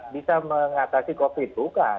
bisa mengatasi covid bukan